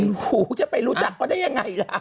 ไม่รู้จะไปรู้จักเขาจะยังไง